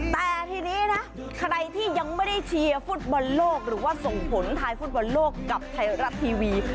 แต่ทีนี้นะใครที่ยังไม่ได้เชียร์ฟุตบอลโลกหรือว่าส่งผลทายฟุตบอลโลกกับไทยรัฐทีวี